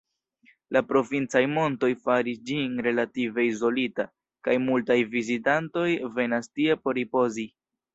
La provincaj montoj faris ĝin relative izolita, kaj multaj vizitantoj venas tie por ripozi.